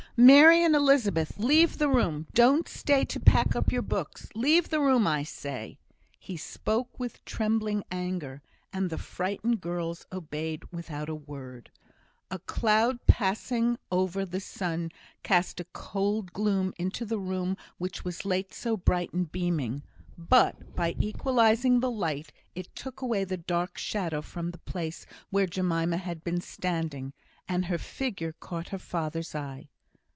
"Mary and Elizabeth, leave the room. Don't stay to pack up your books. Leave the room, I say!" He spoke with trembling anger, and the frightened girls obeyed without a word. A cloud passing over the sun cast a cold gloom into the room which was late so bright and beaming; but, by equalising the light, it took away the dark shadow from the place where Jemima had been standing, and her figure caught her father's eye.